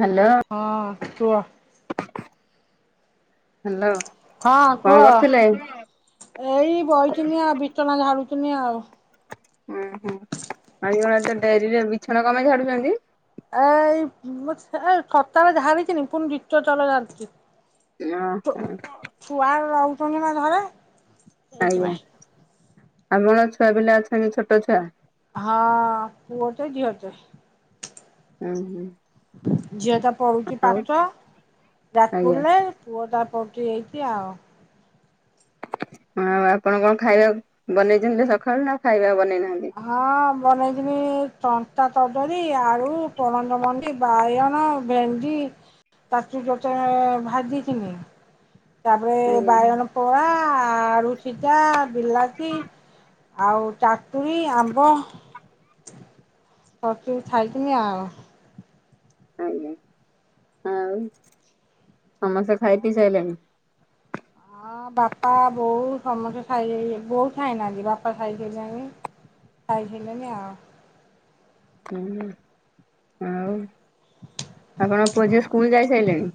Hello ହଁ କୁଅ। Hello? ହଁ କଣ କୁହ କରୁଥିଲେ? ଏଇ ବହିକିନିଆ ବିଛନା ଝାଡୁ ଵସିଥିନି ଆଉ। ଓୁଁ ହୁଁ ଆଉ କଣ ଡେରିରେ ବିଛଣା କମାଇ ଛାଡୁଛନ୍ତି? ଏଇ ଏ ସକାଳେ ଝାରିଥିନି ପୁଣି ଦିତୀୟ ଥର ଝାଡ଼ିଥିଲି। ଅ ଛୁ -ଛୁଆ ରହୁଛନ୍ତି ନା ଘରେ। ଆଜ୍ଞା ସେଇଥିପାଇଁ। ଆମର ଛୁଆ ପିଲା ଅଛନ୍ତି ଛୋଟ ଛୁଆ? ହଁ ପୁଅଟେ ଝିଅଟେ। ହୁଁ ହୁଁ। ଝିଅଟା ପଡୁଛି ଆଉ ପାଟ ଆଜ୍ଞା ଯାଜପୁରରେ ପୁଅଟା ପଡୁଛି ଏଇଠି ଆଉ ଆଉ ଆପଣ କଣ ଖାଇବା ବନେଇଛନ୍ତି ସକାଳୁ ନାଉ ଖାଇବା ବନେଇ ନା ହଁ ବନେଇଥିଲି ସ କଦଳୀ ଆଉ ପଣଷ ମଜି ବାଇଗନ ଭେଣ୍ଡି ତାକୁ ପଥମେ ଭାଜି ଥିଲି ତାପରେ ଆଜ୍ଞା ବାଇଗନ ପଡା ଆ ଆଳୁ ସିଜା ବିଲାତି ଆଉ ଚା [unintelligible] ଆମ୍ବ କରିଥିଲି ଖାଇଥିଲି ଆଉ। ଆଜ୍ଞା ଆଉ। ସମସ୍ତେ ଖାଇ ପିଇ ସାଇିଲେଣି? ହଁ ବାପା ବୋଉ ସମସ୍ତେ ସାଇଲେଣି ବୋଉ ଖାଇନାହାନ୍ତି ବାପା ଖାଇ ସାରିଲେଣି। ଖାଇସାରିଲେନି ଆଉ। ହଁ ଆଉ। ଆପଣ ପୁଅ ଝିଅ ସ୍କୁଲ ଯାଇ ସାରିଲେଣି?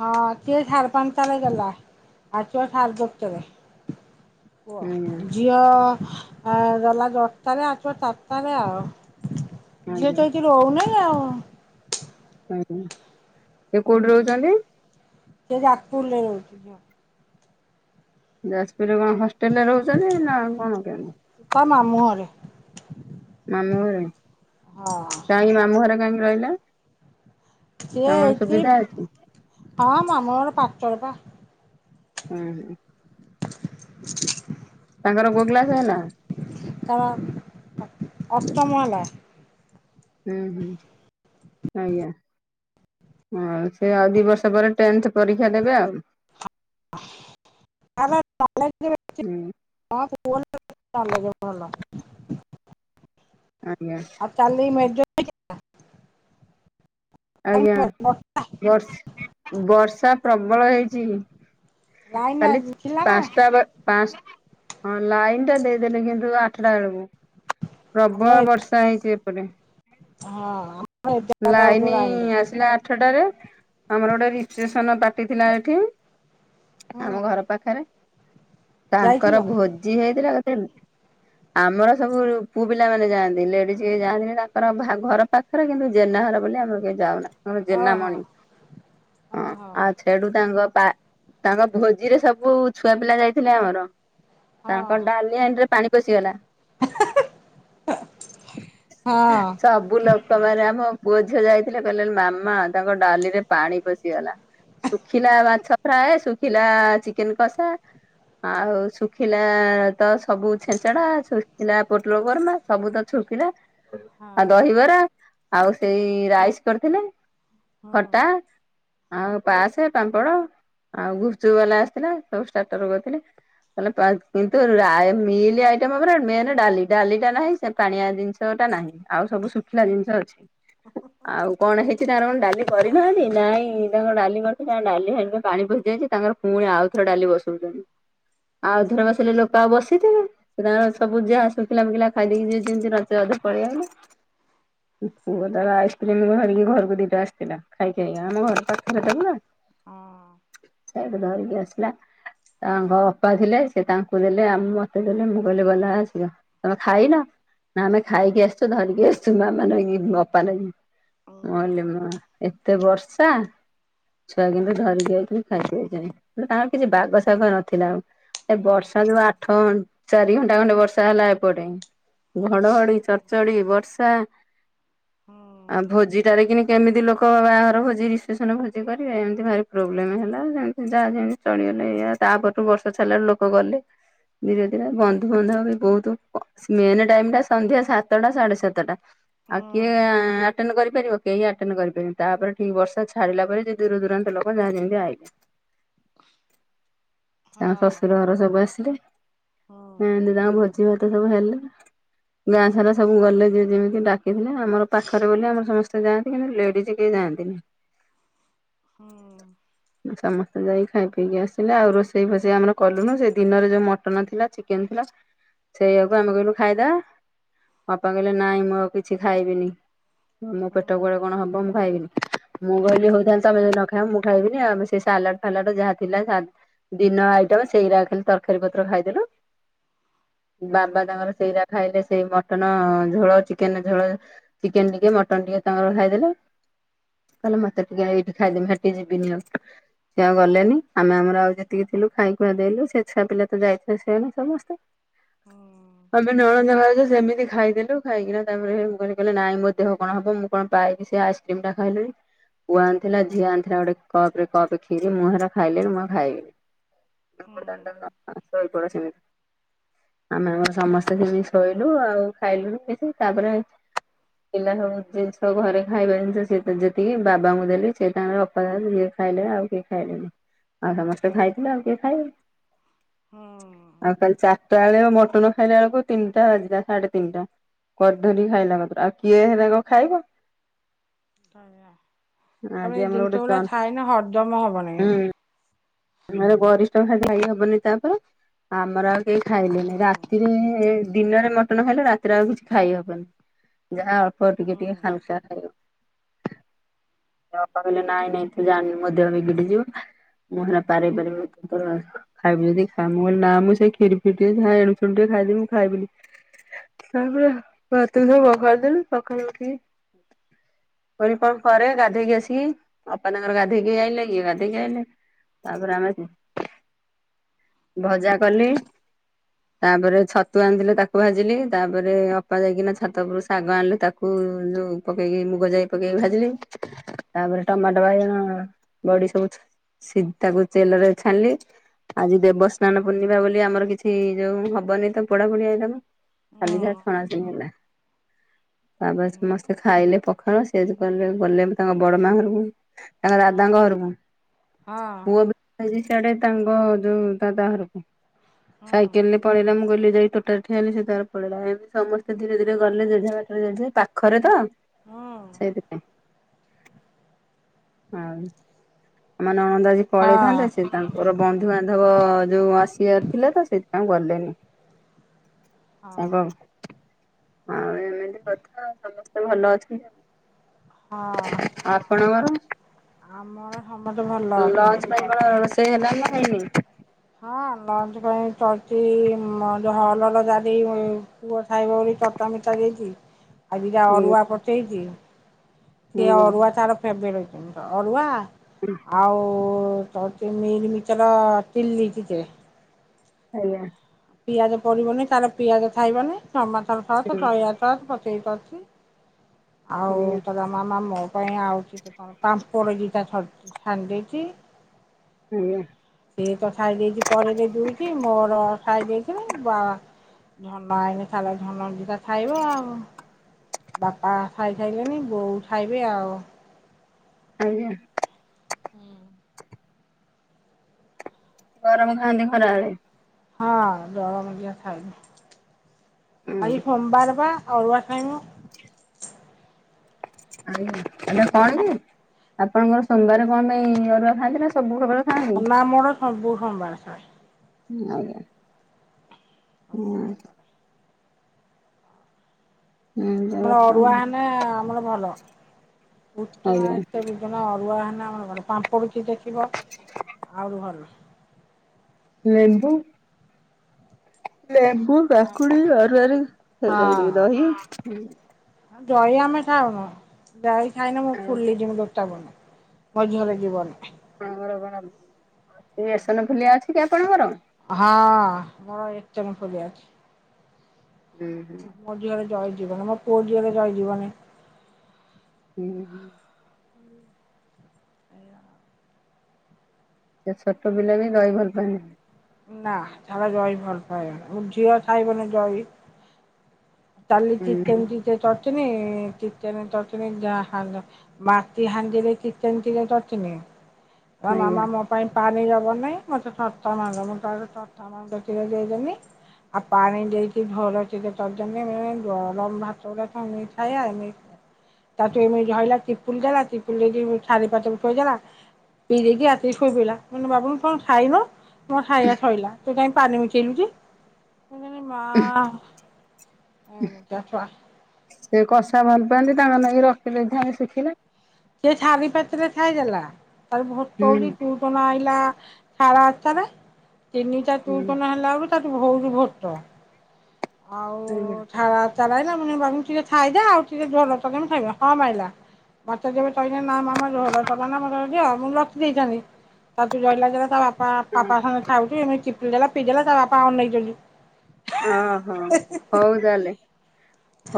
ହଁ ସିଏ ସାଢ଼େ ପାଞ୍ଚଟାରେ ଗଲା ଆସିବ ସାରେ ଦଶଟାରେ। ଆଜ୍ଞା କୁହ ଝିଅ ଅ ଗଲା ଦଶଟାରେ ଆସିବ ଚାରିଟାରେ ଆଉ। ଯିଅ ଆଜ୍ଞା ତ ଏଠି ରହୁନେଇ ଆଉ। ସେ କୋଉଠି ରହୁଛନ୍ତି? ସେ ଯାଜପୁରରେ ରହୁଛି ଝିଅ। ଯାଜପୁରରେ କଣ ହଷ୍ଟେଲ ରେ ରହୁଛନ୍ତି ନା କଣ କେମତି? ମାମୁଘରେ। ମାମୁଁ ଘରେ କାହିଁକି ମାମୁଁ ଘରେ କାହିଁକି ରହିଲେ? ସେ ତମର ଏଇଠି ସୁବିଧା ଅଛି ହଁ ମାମୁଁଘର ପାଖରେ ପା। ହୁଁ ହୁଁ। [inaudible] ତାଙ୍କର କଉ କ୍ଲାସ ହେଲା? ତାର ଅଷ୍ଟମ ହେଲା। ହୁଁ ହୁଁ ଆଜ୍ଞା। ଆଉ ସେ ଆଉ ଦି ବର୍ଷ ପରେ ଟେନ୍ଥ ପରୀକ୍ଷା ଦେବେ ଆଉ। ତା [unintelligible] ହୁଁ। ହଁ ଭୁବନେ [inaudible] ଭଲ ଜ ଭଲ। ଆଜ୍ଞା ଆ କାଲି ମେଜ [unintelligible] ଆଜ୍ଞା ବର୍ ବର୍ଷା ପ୍ରବଳ ହେଇଚି। ଲାଇନ କାଲି ଥିଲା ନା ପାଁଶଟା ବେ ପାଁଶ ହଁ ଲାଇନ୍ ଟା ଦେଇଦେଲେ କିନ୍ତୁ ଆ ଠଟା ଏଳୁକୁ ଆମର ପ୍ରବଳ ବର୍ଷା ହେଇଚି ଏପଟେ। ହଁ। ଆମର ଏଗାରଟା ବେଳକୁ ଲାଇନି ଲାଇନ ଗଲା ଆସିଲା ଆଠଟାରେ। ଆମର ଗୋଟେ ରିପସେନ୍ ପାର୍ଟି ଥିଲା ଏଠି ହୁଁ ଆମ ଘର ପାଖରେ। ଯାଇଥିଲ ତାଙ୍କର ଭୋଜି ହେଇଥିଲା କେତେ ଆମର ସବୁ ପୁଅ ପିଲାମାନେ ଯାଆନ୍ତି ଲେଡି଼ଜ କେହି ଯାଆନ୍ତିନେଇ ତାଙ୍କର ଭା ଘର ପାଖରେ କିନ୍ତୁ ଜେନା ଘର ବୋଲି ଆମର କେହି ଯାଉନା ଆମର ଓହୋ ଜେନାମଣି ହଁ ଓହୋ ଆଉ ଛେଡ଼ୁ ତାଙ୍କ ପା ତାଙ୍କ ଭୋଜିରେ ସବୁ ଛୁଆ ପିଲା ଯାଇଥିଲେ ଆମର। ହଁ ତାଙ୍କ ଡାଲି ହାଣ୍ଡିରେ ପାଣି ପଶିଗଲା। ହଁ ସବୁ ଲୋକ ମାନେ ଆମ ପୁଅ ଝିଅ ଯାଇଥିଲେ କହିଲେ ମାମା ତାଙ୍କ ଡାଲିରେ ପାଣି ପଶିଗଲା। ଶୁଖିଲା ମାଛ ଫ୍ରାଏ ଶୁଖିଲା ଚିକେନ କଷା ଆଉ ଶୁଖିଲା ତ ସବୁ ଛେଞ୍ଚଡ଼ା ଶୁଖିଲା ପୋଟଳ କର୍ମା ସବୁ ତ ଛ ଶୁକିଲା ହଁ ଆଉ ଦହିବରା ଆଉ ସେଇ ରାଇସ୍ କରିଥିଲେ। ହୁଁ ଖଟା ଆଉ ପାସେ ପାମ୍ପଡ଼। ଆଉ ଗୁପଚୁପ୍ ବାଲା ଆସିଥିଲା ସବୁ ଷ୍ଟାଟର୍ କରିଥିଲେ। ତାଲେ ପା କିନ୍ତୁ ରା ମିଲ୍ ଆଇଟ ଓପରେ ମେନ୍ ଡାଲି ଡାଲିଟା ନାହିଁ ସେ ପାଣିଆ ଜିନିଷଟା ନାହିଁ ଆଉ ସବୁ ଶୁଖିଲା ଜିନିଷ ଅଛି ଆଉ କଣ ହେଇଚି ତାଙ୍କର କଁ ଡା ଲି କରିନାହାନ୍ତି ନାଇଁ ତାଙ୍କର ଡାଲି କରିଥିଲେ ତାଙ୍କ ଡାଲି ହାଣ୍ଡିରେ ପାଣି ପଶିଯାଇଚି ତାଙ୍କର ପୁଣି ଆଉଥରେ ଡାଲି ବସଉଚନ୍ତି। ହ [inaudible] ଆଉ ଥରେ ବସେଇଲେ ଲୋକ ଆଉ ବସିଥିବେ? ସେ ତାଙ୍କ ସବୁ ସେଇଆ ଯାହା ଶୁଖିଲା ମୁକିଲା ଖାଇଦେଇକି ଯିଏ ଯେମତି ରାତି ଅଧେ ପଳେଇବେ ନା ପୁଅ ତାର ଆଇସ୍କ୍ରିମ୍ ଧରିକି ଘରୁକୁ ଦିଟା ଆସିଥିଲା ଖାଇ ଖାଇକା ଆମ ଘର ପାଖରେ ତ ପୁରା। ହଁ। ସେ ତ ଧରିକି ଆସିଲା। ତାଙ୍କ ଅପା ଥିଲେ ସେ ତାଙ୍କୁ ଦେଲେ ଆ ମତେ ଦେଲେ ମୁଁ କହିଲି ବଲା ସିଅ ତମେ ଖାଇନ? ନାଁ ଆମେ ଖାଇକି ଆସଚୁ ଧରିକି ଆସଚୁ ମାମା ନାଇକି। ଉଁ ଅପା ନାଗି ମୁଁ ଓହୋ ହୁଁ ଅଇଲି ମା ଏତେ ବର୍ଷା ଛୁଆ କିନ୍ତୁ ଧରିକି ଆଉଚନ୍ତି ଖାଇକି ଆଇଚନ୍ତି ଗୋଟେ ତାଙ୍କର କିଛି ବାଗ ଶାଗ ନଥିଲା ଆଉ। ଏ ବର୍ଷା ଯୋଉ ହୁଁ ଆଠ ଚାରି ଘଣ୍ଟା ଖଣ୍ଟେ ବର୍ଷା ହେଲା ଏପଟେ। ଘଡ଼ଘଡ଼ି ଚଡ଼ଚଡ଼ି ବର୍ଷା ହଁ। ଆ ଭୋଜିଟାରେ କିିନି କେମିତି ଲୋକ ବାହାଘର ଭୋଜି ରିପସେନ ଭୋଜି କରିବେ? ଏମିତି ଭାରି ପ୍ରୋବ୍ଲେମ ହେଲା। ସେମତି ଯାହା ଯେମତି ଚଳିଗଲେ ଏଇଆ ତାପରେ ତ ବର୍ଷ ଛାଡ଼ିଲା ଲୋକ ଗଲେ। ଧୀରେ ଧୀରେ ବନ୍ଧୁବାନ୍ଧବ ବି ବୋହୁତ କ ମେନ୍ ଟାଇମଟା ସନ୍ଧ୍ୟା ସାତଟା ସାଢ଼େ ସାତଟା। ଆଉ କିଏ ହଁ ହୁଁ ଆଟେଣ୍ଡ୍ କରିପାରିବ? କେହି ଆଟେନ୍ କରିପାରିବେ ତାପରେ ଠିକ ବର୍ଷା ଛାଡ଼ିଲା ପରେ ଯେ ଦୂର ଦୂରାନ୍ତ ଲୋକ ଯାହା ଯେମତି ଆଇଲେ। [inaudible] ତାଙ୍କ ଶଶୁର ଘର ସବୁ ଆସିଲେ ଏଁ ତାଙ୍କ ଭୋଜି ଭା ତ ସବୁ ହେଲା ଗାଁ ସାରା ସବୁ ଗଲେ ଯିଏ ଯେମିତି ଡା ତିହିଲା ଆମର ପାଖରେ ବୋଲି ଆମ ସମସ୍ତେ ଯାଆନ୍ତି କିନ୍ତୁ ଲେଡିଜ୍ କେହି ଯାଆନ୍ତିନି। ହୁଁ। ସମସ୍ତେ ଯାଇକି ଖାଇ ପିଇକି ଆସିଲେ ଆଉ ରୋଷେଇ ଫୋଷେଇ ଆମର କଲୁନୁ ସେ ଦିନରେ ଯୋଉ ମଟନ୍ ଥିଲା ଚିକେନ୍ ଥିଲା ସେଇଆକୁ ଆମେ କହିଲୁ ଖାଇଦା ବାପା କହିଲେ ନାଇଁ ମୁଁ ଆଉ କି ଛି ଖାଇବିନି ମୋ ହୁଁ ପେଟ କୁଆଡ଼େ କଣ ହବ ମୁଁ ଖାଇବିନି। ମୁଁ କହିଲି ହଉ ତାହେନେ ତମେ ଯଦି ନ ଖାଇବନି ମୁଁ ଖାଇବିନି ଆମେ ସେଇ ସାଲାଡ ଫାଲାଡ଼ ଯାହା ଥିଲା ସା ଦିନ ଆଇଟମ ସେଇରା ଖାଲି ତରକାରୀ ପତ୍ର ଖାଇଦେଲୁ ବାବା ହୁଁ ତାଙ୍କର ସେଇରା ଖାଇଲେ ସେଇ ମଟନ ଝୋଳ, ଚିକେନେ ଝୋଳ, ଚିକେନ ଟିକେ ମଟନ ଟିକେ ତାଙ୍କର ଖାଇଦେଲେ ତାହେଲେ ମତେ ଟିକେ ଏଇଠି ଖାଇଦେବି ହେଟି ଯିବିନି ଆଉ। ସିଏ ଆଉ ଗଲେନି, ଆମେ ଆମର ଆଉ ଯେତିକି ଥିଲୁ ଖାଇ ଖୁଆ ଦେଲୁ ସେ ଛୁଆ ପିଲା ତ ଯାଇଥିଲେ ସିଆଡେ ସମସ୍ତେ ହଁ। ଆମେ ନଣନ୍ଦ ଭାଉଜ ସେମିତି ଖାଇଦେଲୁ, ଖାଇକିନା ଟାଇମ୍ ରେ ମୁଁ କହିଲି କହିଲେ ନାଇଁ ମୋ ଦେହ କଣ ହବ ମୁଁ କଣ ପାଇବି ସେ ଆଇସ୍କ୍ରିମଟା ଖାଇଲିଣି ପୁଅ ଆଣିଥିଲା ଝିଅ ଆଣିଥିଲା ଗୋଟେ କପ ରେ କପେ ଖିରି, ମୁଁ ହେଇରା ଖାଇଲିଣି ମୁଁ ଆଉ ଖାଇବନି। [unintelligible] ପୁରା ସେମିତି। ଆମେ ସମସ୍ତେ ସେମିତି ଶୋଇଲୁ ଆଉ ଖାଇଲୁନି ହେଇ ସେ ତାପରେ ପିଲା ସବୁ ଜିନିଷ ଘରେ ଖାଇବା ଜିନିଷ ସିଏତ ଯେତିକି ବାବାଙ୍କୁ ଦେଲି ସିଏ ତାଙ୍କର ଅପା ଖାଆନ୍ତୁ ଯିଏ ଖାଇଲେ ଆଉ କିଏ ଖାଇଲେନି। ଆଉ ସମସ୍ତେ ଖାଇଥିଲେ ଆଉ କିଏ ଖାଇବେ? ଆଉ କାଲି ଚାରିଟା ବେଳେ ମଟନ ଖାଇଲା ବେଳକୁ ତିନିଟା ବାଜିିଲା ସାଢେ ତିନିଟା କଧୁରୀ ଖାଇଲା ମାତ୍ର। ଆଉ କିଏ ହେଇରାକ ଖାଇବ? ତମେ ଆଜି ଏଇ ଆମର ଜିନଷ ଗୋଟେ ଗୁଡା ଜହ୍ନ ଖାଇନେ ହଜମ ହବନି। ହୁଁ ଆମର ଗରିଷ୍ଠ ଖାଦ୍ୟ ଖାଇ ହବନି ତାପରେ, ଆମର ଆଉ କେହି ଖାଇଲେନେଇ। ହଁ ରାତିରେ ଦିନରେ ମଟନ ଖାଇଲେ ରାତିରେ ଆଉ କିଛି ଖାଇହବନି। ଯାହା ଅଳ୍ପ ଟିକେ ଟିକେ ହାଲକା ଖାଇବ। ଅପା କହିଲେ ନାଇଁ ନାଇଁ ତୁ ଜାଣିନୁ, ମୋ ଦେହ ବିଗିଡି ଯିବ ମୁଁ ହେରା ପାର ହେଇପାରିବ ଯଦି ତୁ ତୋର ଖାଇବୁ ଯଦି ଖା। ମୁଁ କହିଲି ନା ମୁଁ ସେ ଖିରି ଫିରି ଟିକେ ଯାହା ଏଣୁ ସେଣୁ ଟିକେ ଖାଇଦେବି ମୁଁ ଖାଇବି ବିଲି, ତାପରେ ଭାତ ସବୁ ପଖାଳି ଦେଲି ସକାଳୁ ଉଠିକି କହିଲି କଣ କରେ ଗାଧେଇକି ଆସିକି ଅପା ତାଙ୍କର ଗାଧେଇକି ଆଇଲେ, ଇଏ ଗାଧେଇକି ଆଇଲେ ତାପରେ ଆମେ ଭଜା କଲି ତାପରେ ଛତୁ ଆଣିଥିଲେ ତାକୁ ଭାଜିଲି। ତାପରେ ଅପା ଯାଇକିନା ଛାତ ଉପରୁ ଶାଗ ଆଣିଲେ ତାକୁ ଯୋଉ ପକେଇକି ମୁଗ ଯାଇ ପକେଇକି ଭାଜିଲି। ତାପରେ ଟମାଟୋ, ବାଇଗଣ, ବଡି ସବୁ ଛେ ସି ତାକୁ ଚେଲରରେ ଛାଣିଲି ଆଜି ଦେବସ୍ନାନ ପୂର୍ଣ୍ଣିମା ବୋଲି ଆମର କିଛି ଯୋଉ ହବନି ତ ପୋଡ଼ାପୋଡ଼ି ଆଇଟମ ଖାଲି ଯାହା ଛଣା ଛଣି ହେଲା। ତାପରେ ସମସ୍ତେ ଖାଇଲେ ପ ଖାଳ, ସେ ଆଜି କଲେ ଗଲେ ତାଙ୍କ ବଡ ମା ଘରକୁ ତାଙ୍କ ଦାଦାଙ୍କ ଘରକୁ ପୁଅ ବି ହେଇଛି ସିଆଡେ ତାଙ୍କ ଯୋଉ ଦାଦା ଘରକୁ, ସାଇକେଲରେ ପଳେଇଲା ମୁଁ କହିଲି ଯାଇ ତୋଟାରେ ଠିଆ ହେଲି ସିଏ ତାର ପଳେଇଲା। ଏମିତି ସମସ୍ତେ ଧୀରେ ଧୀରେ ଗଲେ ଜେଝା ବାଟରେ ଜେଝା, ଏଇ ପାଖରେ ତ ସେଇଥିପାଇଁ। ନହଁ। ଆମ ନଣନ୍ଦ ଆଜି ପଳେଇଥାନ୍ତେ ସେ ତାଙ୍କର ବନ୍ଧୁବାନ୍ଧବ ଯୋଉ ଆସିବାର ଥିଲା ତ ସେଇଥିପାଇଁ ଆଉ ଗଲେନି। ତାଙ୍କ ଆଉ ଏମିତି କଥା ଆଉ ସମସ୍ତେ ଭଲ ଅଛନ୍ତି ହଁ ଆଉ। ଆପଣଙ୍କର? ଆମର ସମସ୍ତେ ଭଲ ଅଛନ୍ତି। ଏତେ ହେଲାଣି ନା ନାଇଁ? ହଁ ଲଞ୍ଚ ପାଇଁ କରିଚି ଉଁ ହରଡ଼ ଡ଼ାଲି ପୁଅ ଖାଇବ ବୋଲି ଖଟା ମିଠା ଦେଇକି ଆଜିକା ଅରୁଆ ପଠେଇଚି ସିଏ ଆଜ୍ଞା ଅରୁଆ ତାର ଫେବରାଇଟ ଜିନିଷ। ଅରୁଆ ଆଉ ତ ଅଛି ମିଲମିକର ଚିଲି ଟିକେ ଆଜ୍ଞା। ପିଆଜ ପଡିବନି ତାର ପିଆଜ ଖାଇବନି, ଟମାଟର ସସ୍ ଆଜ୍ଞା ସୋୟା ସସ୍ ପକେଇକି କରିଚି ଆଉ କହିଲା ମାମା ମୋ ପାଇଁ ଆଉ ଚିକେ କଣ ପାମ୍ପଡ ଦିଟା ସରି ଛାଣି ଦେଇଚି ହୁଁ। ସିଏ ତ ଖାଇ ଦେଇକି ପଳେଇଲେ ଡୁଇଟି ମୋର ଖାଇ ଦେଇକିଣି ବା। ଧନ ଆଇଲେ ତାର ଧନ ଦିଟା ଖାଇବ। ବାପା ଖାଇ ସାଇଲେଣି ବୋଉ ଖାଇବେ ଆଉ। ଆଜ୍ଞା। ହୁଁ। ଗରମ ଖାଆନ୍ତି ଖରାବେଳେ। ହଁ ଗରମ ଦିଟା ଖାଇମୁ ଆଜି ହୁଁ ସୋମବାର ପା ଅରୁଆ ଖାଇମୁ। ଆଜ୍ଞା। ହେଲେ କଣ କି? ଆପଣଙ୍କର ସୋମବାର କଣ ପାଇଁ ଅରୁଆ ଖାଆନ୍ତି ନା ସବୁ ଖବର। ଖାଆନ୍ତି? ନା ମୋର ସବୁ ସୋମବାର ସଏ। ହୁଁ ଆଜ୍ଞା। ହୁଁ ସବୁ ସୋମବାରେ। ଆମର ଅରୁଆ ହେନେ ଆମର। ଭଲ ଉଷୁନା ଆଜ୍ଞା ଏତେ ବିଜ ନା ଅରୁଆ ହେନେ ଆମର ଘରେ ପାମ୍ପ ଦେଖିବ ଆହୁରି ଭଲ। ଏନ୍ତୁ। ଲେମ୍ବୁ କାକୁଡ଼ି ଅରୁଆରୁ ତାପରେ [unintelligible] ଦହି ହୁଁ। ଆଉ ଦହି ଆମେ ଖଉନୁ ଦହି ଖାଇନେ ମୁଁ ଆଉ ଫୁଲିଜିମୁ ଦେ ବନି ମୋ ଦିହରେ ଯିବନି। ହଁ ପରା ବାହା [inaudible] ଇସନ ଫୁଲିଆ ଅଛି କି ଆପଣଙ୍କର? ହଁ ମୋର ଈଶନ ଫୁଲିଆ ଅଛି। ହୁଁ ହୁଁ ମୋ ଦିହରେ ଦହି ଯିବନି ମୋ ପୁଅ ଦିହରେ ଦହି ଯିବନି। ହୁଁ ହୁଁ। ସେ ଛୋଟ ପିଲା ବି ଦହି ଭଲ ପାଏନି। ନା ତାର ଦହି ଭଲ ପାଏନି ମୋ ଝିଅ ଖାଇବନି ଦହି। କାଲି ହୁଁ ଚିକେନ ଟିକେ ଚ ଥିନି ଚିକେନ କରିଥିନି ଯାହା ହାଲ ମାଟି ହାଣ୍ଡି ରେ ଚିକେନ କିଲେ କରିଥିନୀ। ନା ଆଜ୍ଞା ମାମା ମୋ ପାଇଁ। ପାଣି ଦବ ନାହିଁ ମୋତେ [unintelligible] ମାରୁ ମୁଁ କହିଲି [unintelligible] ଦେଖିକି ଦେଇଦେମି। ଆଉ ପାଣି ଦେଇକି ଝୋଳ ଟିକେ ତ। [unintelligible] ଗରମଭାତ ଟା କଣ ମିଠା ହେଇଯାଏ ମି। ତାକୁ ଏମିତି ଧଇଲା ଚିପୁଡ଼ି ଦେଲା ଚିପୁଡ଼ି ଦେଇକି ଥାଳି ପାଖରେ ଥୋଇଦେଲା। ଥୋଇଦେଇକି ଆସିକି ଶୋଇ ପଇଲା ମୁଁ କହିନି ବାବୁନୁ ଙ୍କ ଖାଇନୁ। ମୋ ଖାଇଆ ଶଇଲା ତୁ କାହିଁ ପାନି ମିଶେଇଲୁ କି। ମୁଁ କହିନି ମା ଏମିତିଆ ଛୁଆ। ସେ କଷା ଭଲ ପାଆନ୍ତି ତାଙ୍କ ନାଇକି ରଖି ଦେଇଥାନ୍ତି ଶୁଖିଲା। ସେ ଛାରି ପାଖେରେ ଖାଇଦେଲା ତାପରେ ଭୋକ ହୁଁ ହଉନି ଟିଉସନ୍ ଆଇଲା। ସାଢେ ଆଠଟାରେ ତିନିଟା ହୁଁ ଟିଉସନ ହେଲା ବେଳୁ ତାକୁ ବହୁତ ଭୋଟ। ଆଉ ଆଜ୍ଞା। ଛା ରା। ତାର ଆଇଲା ମୁଁ କହିନି ବାବୁ ଟିକେ ଖାଇଦେ ଆଉ ଟିକେ ଝୋର ତ ଦେମି ଖାଇବ ହଁ ମାଇଲା। ମତେ ଯେବେ କହିଲା ନା ମାମା ଝୋଲ ଦବନା ମତେ ଦିଅ ମୁଁ ରଖିଦେଇଥାନ୍ତି। ତାକୁ କହିଲା ସେରା ତା ବାପା ପାପା ସାଙ୍ଗରେ ଖାଉଚି ଏମିତି ଚିପୁଡ଼ି ଦେଲା ପି ଦେଲା ତା ବାପା ଅନେଇଛନ୍ତି। ହଁ ହଉ ତାହେଲେ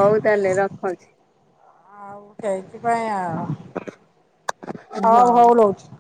ହଉ ତାହେଲେ ରଖୁଛି। ଆଉ ସେଇଥିପାଇଁ ଆ ହଉ ହଉ ଲୋଉଚି।